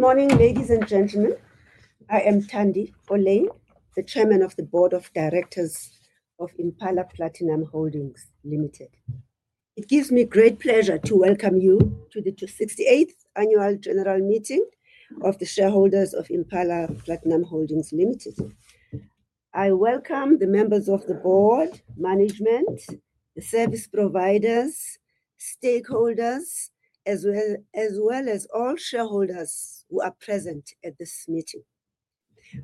Good morning, ladies and gentlemen. I am Thandi Orleyn, the Chairman of the Board of Directors of Impala Platinum Holdings Limited. It gives me great pleasure to welcome you to the 68th Annual General Meeting of the Shareholders of Impala Platinum Holdings Limited. I welcome the members of the board, management, the service providers, stakeholders, as well as all shareholders who are present at this meeting.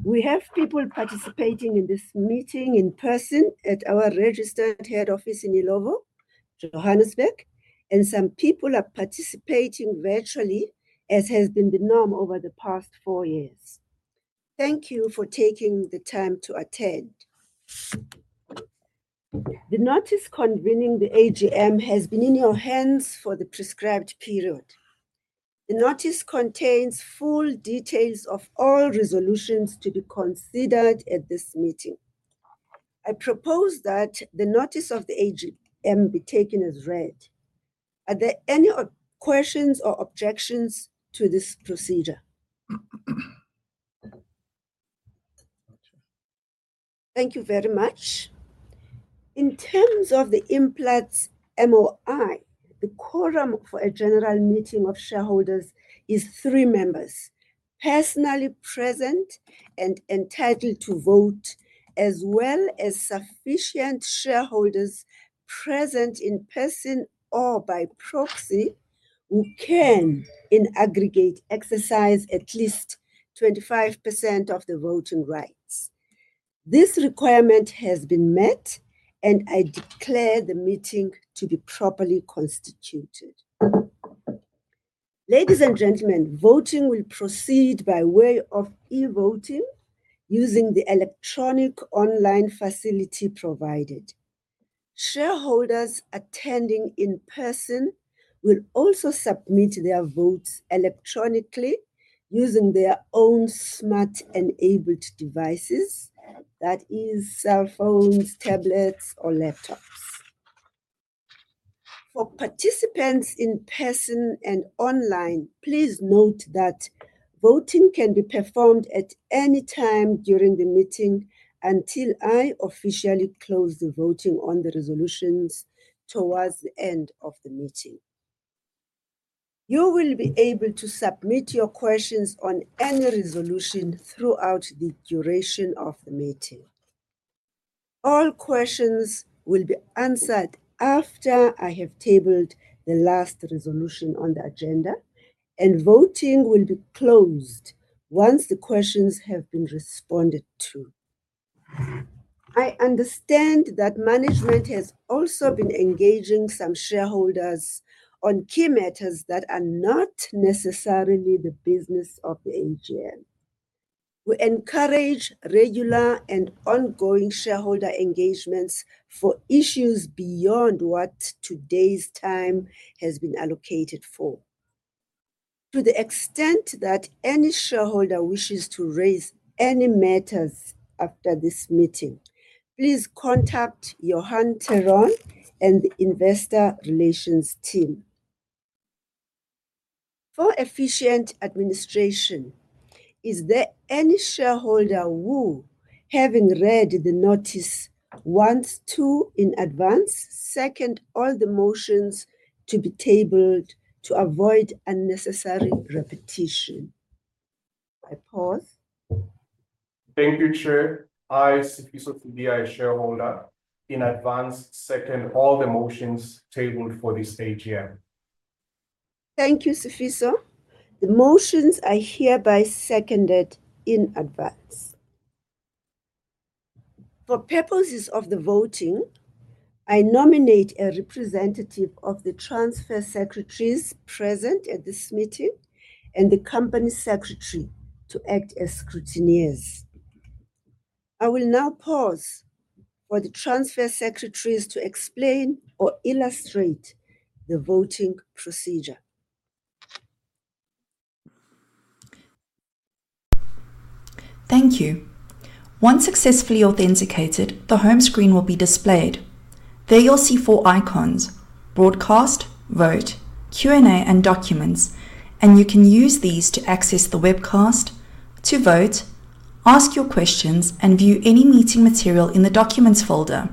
We have people participating in this meeting in person at our registered head office in Illovo, Johannesburg, and some people are participating virtually, as has been the norm over the past four years. Thank you for taking the time to attend. The notice convening the AGM has been in your hands for the prescribed period. The notice contains full details of all resolutions to be considered at this meeting. I propose that the notice of the AGM be taken as read. Are there any questions or objections to this procedure? Thank you very much. In terms of the Impala Platinum Holdings MOI, the quorum for a general meeting of shareholders is three members: personally present and entitled to vote, as well as sufficient shareholders present in person or by proxy who can, in aggregate, exercise at least 25% of the voting rights. This requirement has been met, and I declare the meeting to be properly constituted. Ladies and gentlemen, voting will proceed by way of e-voting using the electronic online facility provided. Shareholders attending in person will also submit their votes electronically using their own smart-enabled devices, that is, cell phones, tablets, or laptops. For participants in person and online, please note that voting can be performed at any time during the meeting until I officially close the voting on the resolutions towards the end of the meeting. You will be able to submit your questions on any resolution throughout the duration of the meeting. All questions will be answered after I have tabled the last resolution on the agenda, and voting will be closed once the questions have been responded to. I understand that management has also been engaging some shareholders on key matters that are not necessarily the business of the AGM. We encourage regular and ongoing shareholder engagements for issues beyond what today's time has been allocated for. To the extent that any shareholder wishes to raise any matters after this meeting, please contact Johan Theron and the investor relations team. For efficient administration, is there any shareholder who, having read the notice once through in advance, second all the motions to be tabled to avoid unnecessary repetition? I pause. Thank you, Chair. I, Sifiso Sibiya, a shareholder, in advance second all the motions tabled for this AGM. Thank you, Sifiso. The motions are hereby seconded in advance. For purposes of the voting, I nominate a representative of the transfer secretaries present at this meeting and the company secretary to act as scrutineers. I will now pause for the transfer secretaries to explain or illustrate the voting procedure. Thank you. Once successfully authenticated, the home screen will be displayed. There you'll see four icons: Broadcast, Vote, Q&A, and Documents, and you can use these to access the webcast, to vote, ask your questions, and view any meeting material in the Documents folder.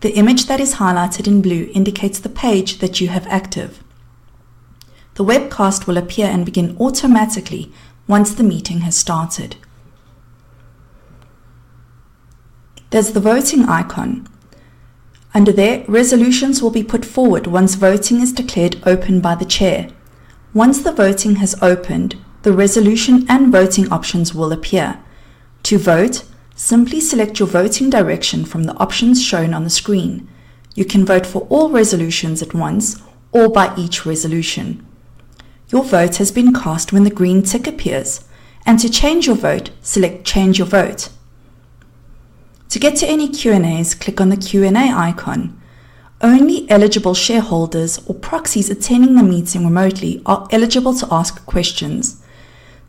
The image that is highlighted in blue indicates the page that you have active. The webcast will appear and begin automatically once the meeting has started. There's the voting icon. Under there, resolutions will be put forward once voting is declared open by the chair. Once the voting has opened, the resolution and voting options will appear. To vote, simply select your voting direction from the options shown on the screen. You can vote for all resolutions at once or by each resolution. Your vote has been cast when the green tick appears, and to change your vote, select Change Your Vote. To get to any Q&As, click on the Q&A icon. Only eligible shareholders or proxies attending the meeting remotely are eligible to ask questions.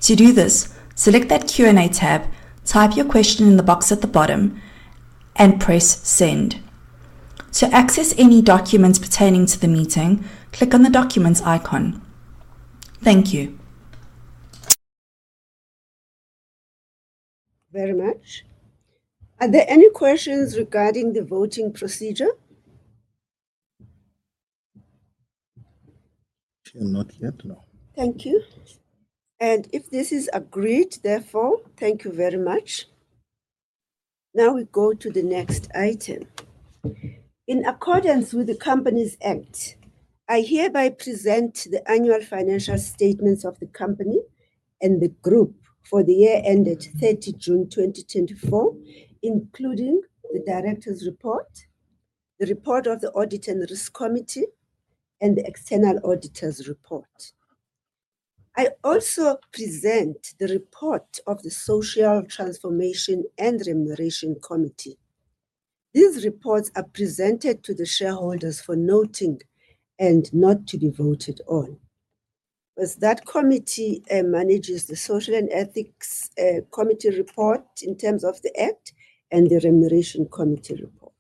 To do this, select that Q&A tab, type your question in the box at the bottom, and press Send. To access any documents pertaining to the meeting, click on the Documents icon. Thank you. Very much. Are there any questions regarding the voting procedure? Not yet, no. Thank you, and if this is agreed, therefore, thank you very much. Now we go to the next item. In accordance with the Companies Act, I hereby present the annual financial statements of the company and the group for the year ended June 30, 2024, including the director's report, the report of the Audit and Risk Committee, and the external auditor's report. I also present the report of the Social Transformation and Remuneration Committee. These reports are presented to the shareholders for noting and not to be voted on. That committee manages the Social and Ethics Committee report in terms of the Act and the Remuneration Committee report.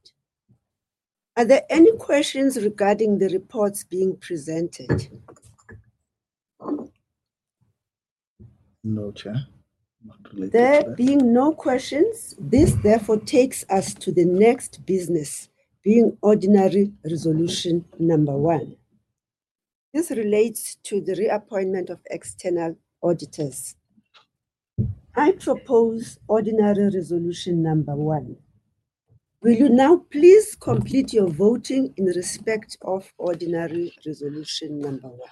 Are there any questions regarding the reports being presented? No, Chair. Not related to that. There being no questions, this therefore takes us to the next business, being Ordinary Resolution Number One. This relates to the reappointment of external auditors. I propose Ordinary Resolution Number One. Will you now please complete your voting in respect of Ordinary Resolution Number One?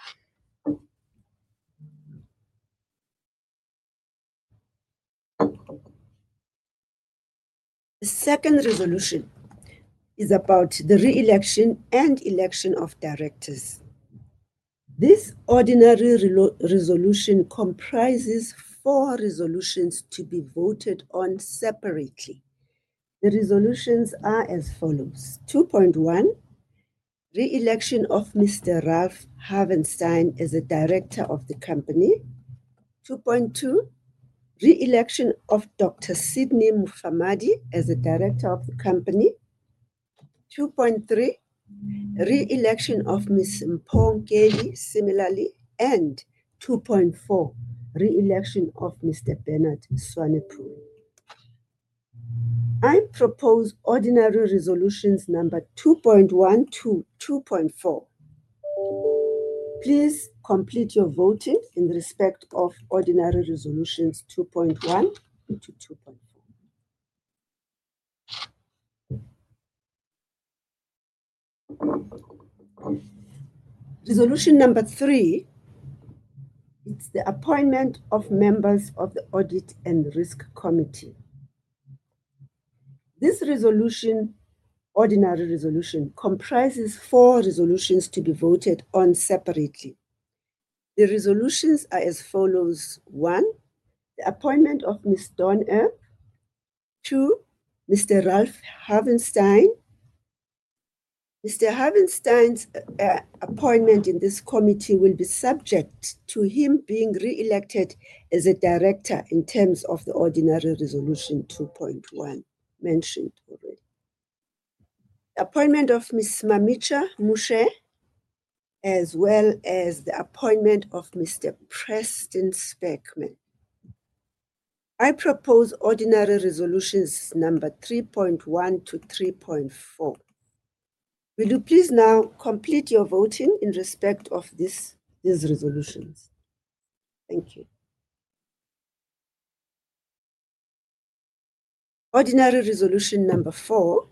The second resolution is about the reelection and election of directors. This Ordinary Resolution comprises four resolutions to be voted on separately. The resolutions are as follows: 2.1, reelection of Mr. Ralph Havenstein as a director of the company; 2.2, reelection of Dr. Sydney Mufamadi as a director of the company; 2.3, reelection of Ms. Mpho Nkeli; and 2.4, reelection of Mr. Bernard Swanepoel. I propose Ordinary Resolutions Number 2.1 to 2.4. Please complete your voting in respect of Ordinary Resolutions 2.1 to 2.4. Resolution Number Three, it's the appointment of members of the Audit and Risk Committee. This Ordinary Resolution comprises four resolutions to be voted on separately. The resolutions are as follows: One, the appointment of Ms. Dawn Earp; Two, Mr. Ralph Havenstein. Mr. Havenstein's appointment in this committee will be subject to him being reelected as a director in terms of the Ordinary Resolution 2.1 mentioned already; the appointment of Ms. Mametja Moshe, as well as the appointment of Mr. Preston Speckmann. I propose Ordinary Resolutions Number 3.1-3.4. Will you please now complete your voting in respect of these resolutions? Thank you. Ordinary Resolution Number Four,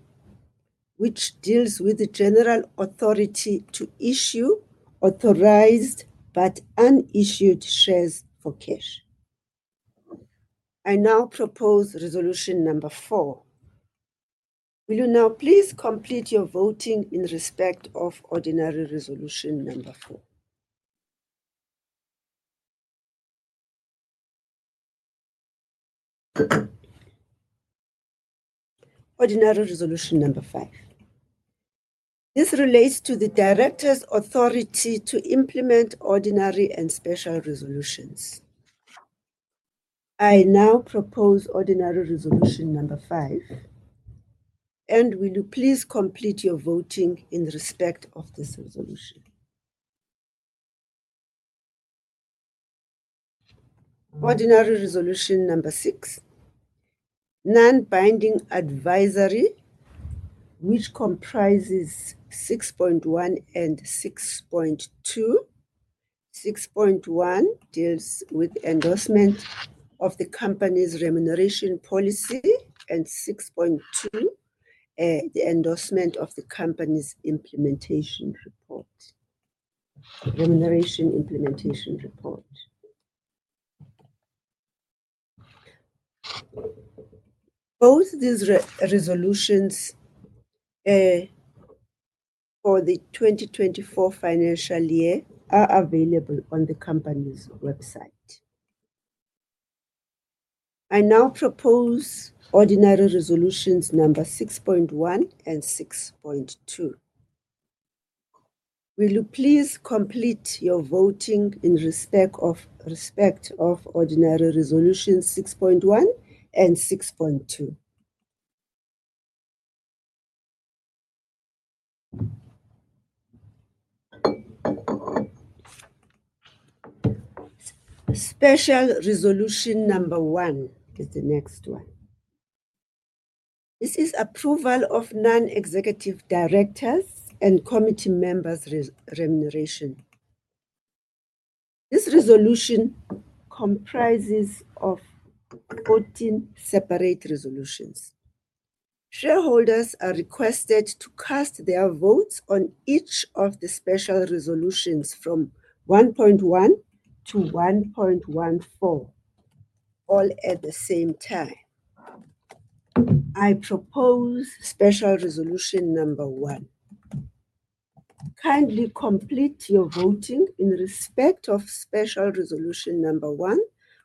which deals with the general authority to issue authorized but unissued shares for cash. I now propose Resolution Number Four. Will you now please complete your voting in respect of Ordinary Resolution Number Four? Ordinary Resolution Number Five. This relates to the director's authority to implement ordinary and special resolutions. I now propose Ordinary Resolution Number Five. Will you please complete your voting in respect of this resolution? Ordinary Resolution Number Six, non-binding advisory, which comprises 6.1 and 6.2. 6.1 deals with the endorsement of the company's remuneration policy, and 6.2, the endorsement of the company's implementation report, remuneration implementation report. Both these resolutions for the 2024 financial year are available on the company's website. I now propose Ordinary Resolutions Number 6.1 and 6.2. Will you please complete your voting in respect of Ordinary Resolutions 6.1 and 6.2? Special Resolution Number One is the next one. This is approval of non-executive directors and committee members' remuneration. This resolution comprises of 14 separate resolutions. Shareholders are requested to cast their votes on each of the special resolutions from 1.1-1.14 all at the same time. I propose Special Resolution Number One. Kindly complete your voting in respect of Special Resolution Number One,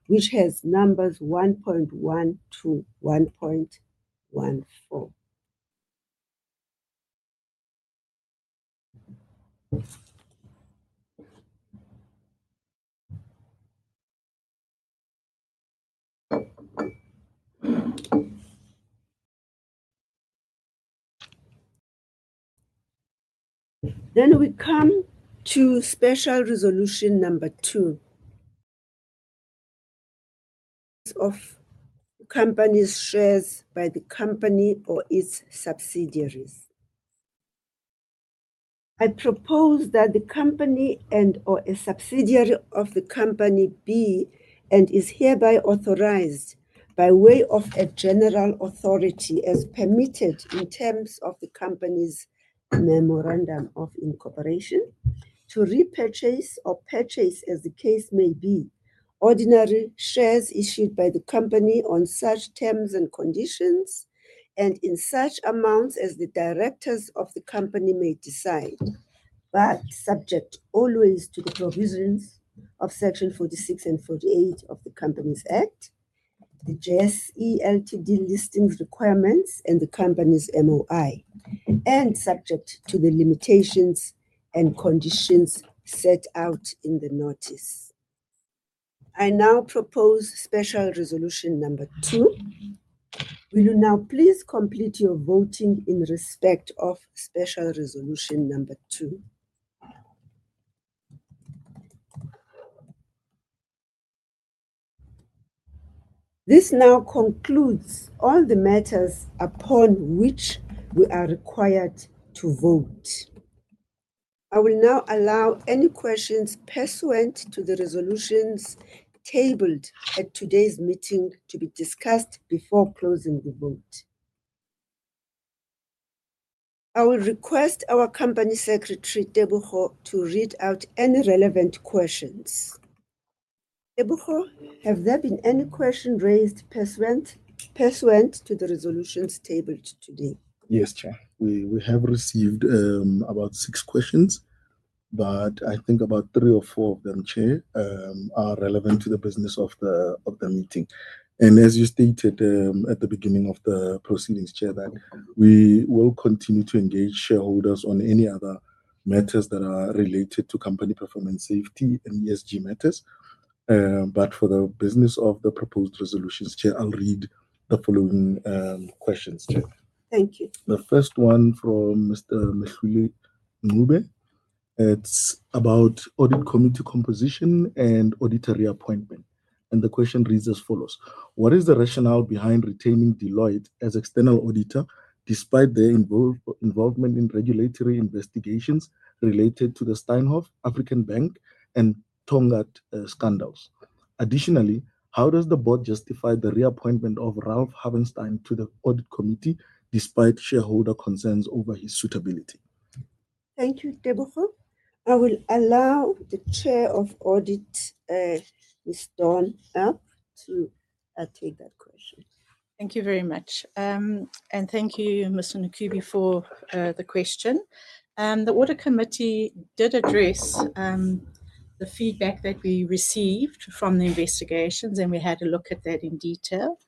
which has numbers 1.1-1.14. Then we come to Special Resolution Number Two, of company's shares by the company or its subsidiaries. I propose that the company and/or a subsidiary of the company be and is hereby authorized by way of a general authority, as permitted in terms of the company's Memorandum of Incorporation, to repurchase or purchase, as the case may be, ordinary shares issued by the company on such terms and conditions and in such amounts as the directors of the company may decide, but subject always to the provisions of Section 46 and 48 of the Companies Act, the JSE Limited listing requirements, and the company's MOI, and subject to the limitations and conditions set out in the notice. I now propose Special Resolution Number Two. Will you now please complete your voting in respect of Special Resolution Number Two? This now concludes all the matters upon which we are required to vote. I will now allow any questions pursuant to the resolutions tabled at today's meeting to be discussed before closing the vote. I will request our company secretary, Tebogo Llale, to read out any relevant questions. Tebogo Llale, have there been any questions raised pursuant to the resolutions tabled today? Yes, Chair. We have received about six questions, but I think about three or four of them, Chair, are relevant to the business of the meeting, and as you stated at the beginning of the proceedings, Chair, that we will continue to engage shareholders on any other matters that are related to company performance, safety, and ESG matters, but for the business of the proposed resolutions, Chair, I'll read the following questions, Chair. Thank you. The first one from Mr. Mehluli Mncube. It's about Audit Committee composition and auditors' appointment. And the question reads as follows: What is the rationale behind retaining Deloitte as external auditor despite their involvement in regulatory investigations related to the Steinhoff, African Bank, and Tongaat scandals? Additionally, how does the board justify the reappointment of Ralph Havenstein to the Audit Committee despite shareholder concerns over his suitability? Thank you, Tebogo Llale. I will allow the Chair of Audit, Ms. Dawn Earp, to take that question. Thank you very much. And thank you, Mr. Mncube, for the question. The Audit Committee did address the feedback that we received from the investigations, and we had a look at that in detail.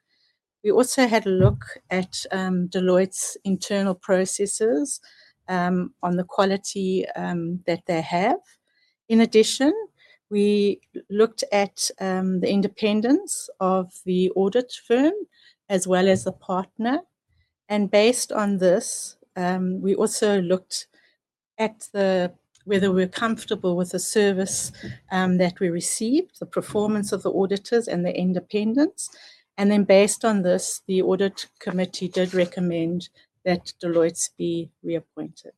We also had a look at Deloitte's internal processes on the quality that they have. In addition, we looked at the independence of the audit firm as well as the partner. And based on this, we also looked at whether we're comfortable with the service that we received, the performance of the auditors, and the independence. And then based on this, the Audit Committee did recommend that Deloitte be reappointed.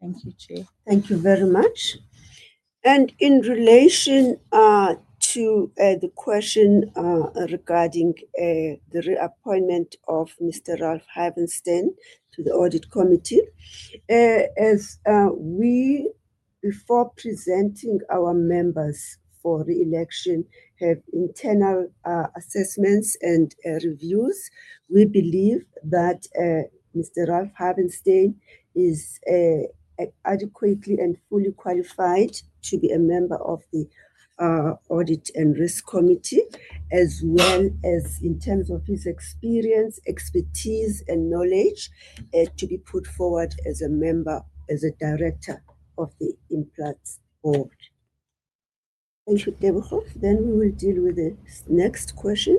Thank you, Chair. Thank you very much. And in relation to the question regarding the reappointment of Mr. Ralph Havenstein to the Audit Committee, as we, before presenting our members for reelection, have internal assessments and reviews, we believe that Mr. Ralph Havenstein is adequately and fully qualified to be a member of the Audit and Risk Committee, as well as in terms of his experience, expertise, and knowledge, to be put forward as a member, as a director of the Implats board. Thank you, Tebogo. Then we will deal with the next question.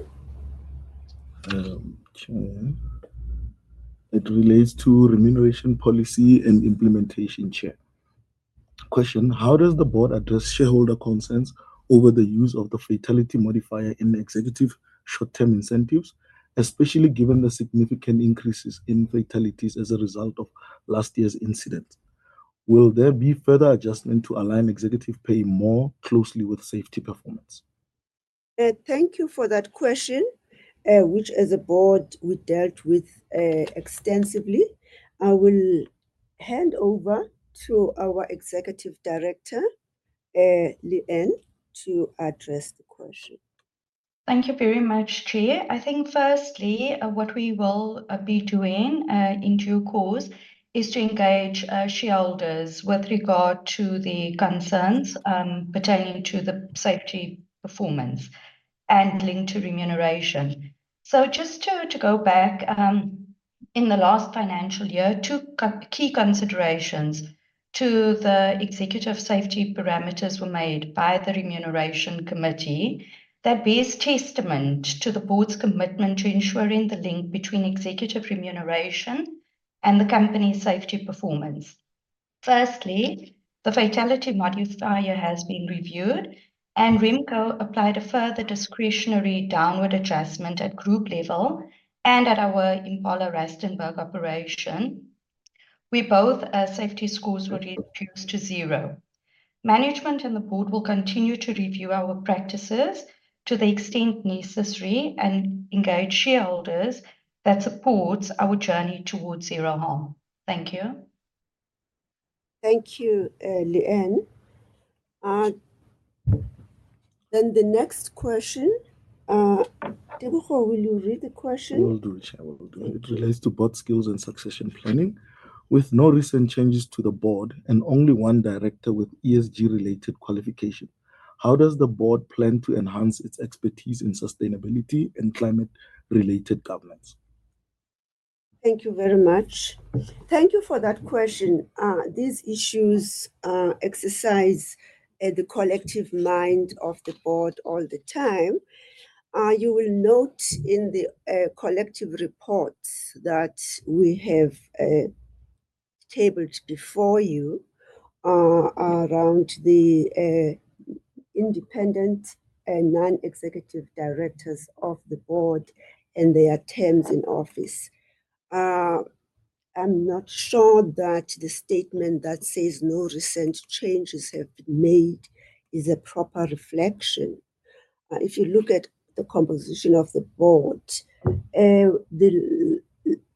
It relates to remuneration policy and implementation, Chair. Question: How does the board address shareholder concerns over the use of the fatality modifier in executive short-term incentives, especially given the significant increases in fatalities as a result of last year's incidents? Will there be further adjustment to align executive pay more closely with safety performance? Thank you for that question, which, as a board, we dealt with extensively. I will hand over to our Executive Director, Lee-Ann, to address the question. Thank you very much, Chair. I think, firstly, what we will be doing in due course is to engage shareholders with regard to the concerns pertaining to the safety performance and linked to remuneration. So just to go back, in the last financial year, two key considerations to the executive safety parameters were made by the remuneration committee that best testament to the board's commitment to ensuring the link between executive remuneration and the company's safety performance. Firstly, the fatality modifier has been reviewed, and Remco applied a further discretionary downward adjustment at group level and at our Impala Rustenburg operation. Where both safety scores were reduced to zero. Management and the board will continue to review our practices to the extent necessary and engage shareholders that support our journey towards zero harm. Thank you. Thank you, Lee-Ann. Then the next question. Tebogo, will you read the question? I will do it. It relates to board skills and succession planning. With no recent changes to the board and only one director with ESG-related qualification, how does the board plan to enhance its expertise in sustainability and climate-related governance? Thank you very much. Thank you for that question. These issues exercise the collective mind of the board all the time. You will note in the collective reports that we have tabled before you around the independent and non-executive directors of the board and their terms in office. I'm not sure that the statement that says no recent changes have been made is a proper reflection. If you look at the composition of the board, the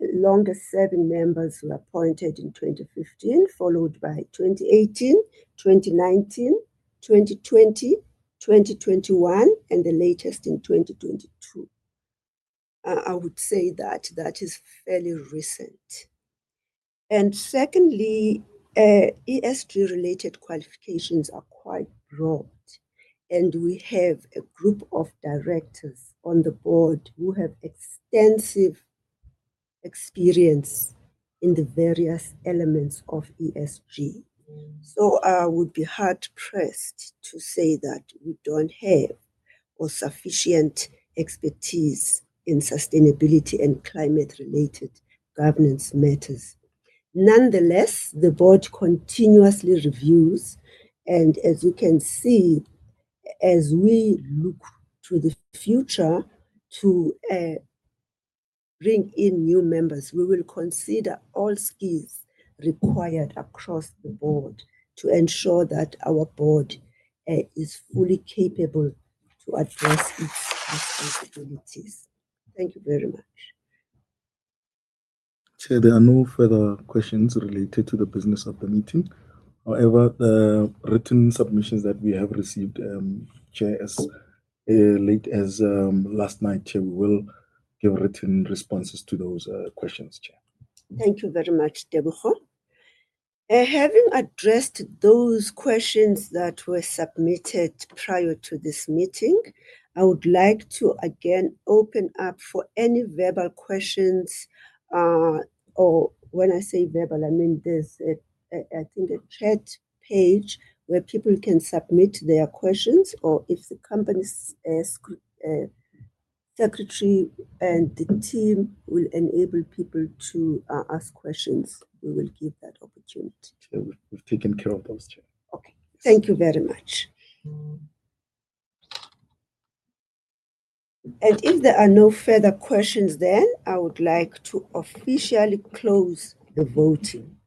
longest-serving members were appointed in 2015, followed by 2018, 2019, 2020, 2021, and the latest in 2022. I would say that that is fairly recent. And secondly, ESG-related qualifications are quite broad. And we have a group of directors on the board who have extensive experience in the various elements of ESG. So I would be hard-pressed to say that we don't have sufficient expertise in sustainability and climate-related governance matters. Nonetheless, the board continuously reviews, and as you can see, as we look to the future to bring in new members, we will consider all skills required across the board to ensure that our board is fully capable to address its responsibilities. Thank you very much. Chair, there are no further questions related to the business of the meeting. However, the written submissions that we have received, Chair, as late as last night, Chair, we will give written responses to those questions, Chair. Thank you very much, Tebogo Llale. Having addressed those questions that were submitted prior to this meeting, I would like to again open up for any verbal questions. Or when I say verbal, I mean there's, I think, a chat page where people can submit their questions. Or if the company's secretary and the team will enable people to ask questions, we will give that opportunity. We've taken care of those, Chair. Okay. Thank you very much. And if there are no further questions, then I would like to officially close the voting.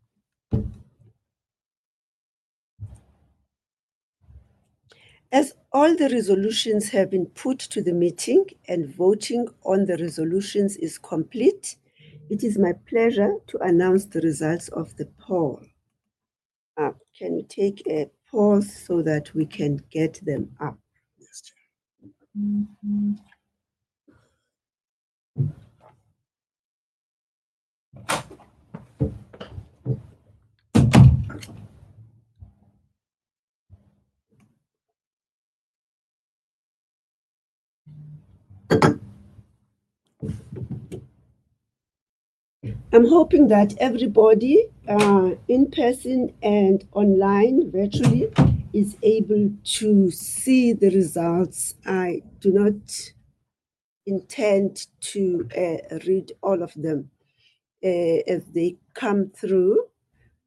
As all the resolutions have been put to the meeting and voting on the resolutions is complete, it is my pleasure to announce the results of the poll. Can you take a pause so that we can get them up? Yes, Chair. I'm hoping that everybody in person and online, virtually, is able to see the results. I do not intend to read all of them as they come through.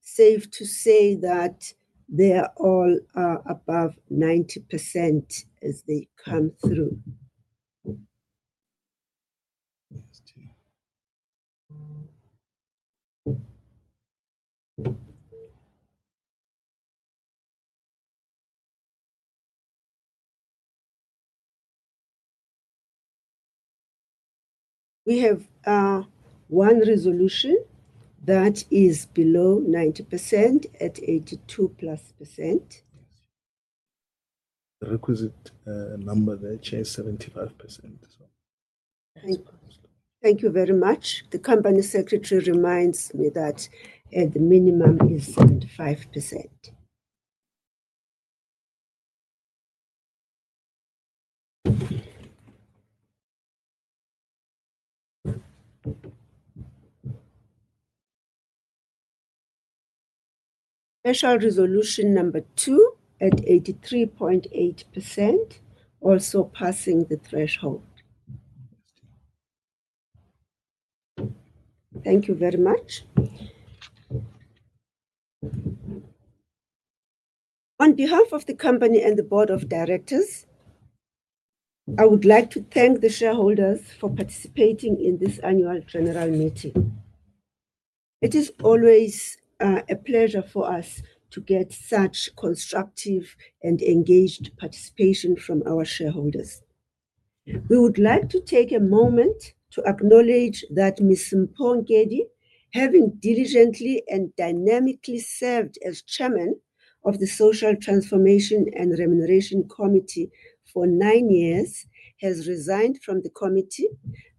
Safe to say that they are all above 90% as they come through. Yes, Chair. We have one resolution that is below 90% at 82+%. The requisite number there, Chair, is 75%. Thank you. Thank you very much. The company secretary reminds me that the minimum is 75%. Special Resolution Number Two at 83.8%, also passing the threshold. Thank you very much. On behalf of the company and the board of directors, I would like to thank the shareholders for participating in this annual general meeting. It is always a pleasure for us to get such constructive and engaged participation from our shareholders. We would like to take a moment to acknowledge that Ms. Mpho Nkeli, having diligently and dynamically served as chairman of the Social Transformation and Remuneration Committee for nine years, has resigned from the committee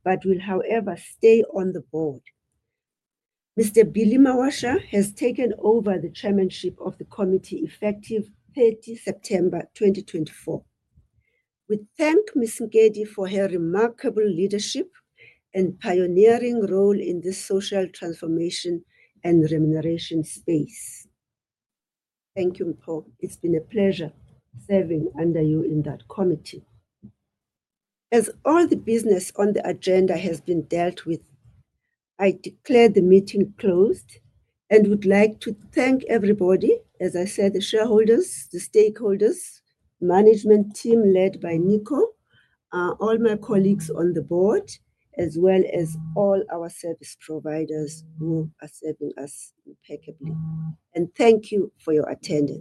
but will, however, stay on the board. Mr. Billy Mawasha has taken over the chairmanship of the committee effective September 30, 2024. We thank Ms. Mpho Nkeli for her remarkable leadership and pioneering role in the social transformation and remuneration space. Thank you, Mpho. It's been a pleasure serving under you in that committee. As all the business on the agenda has been dealt with, I declare the meeting closed and would like to thank everybody, as I said, the shareholders, the stakeholders, management team led by Nico, all my colleagues on the board, as well as all our service providers who are serving us impeccably, and thank you for your attendance.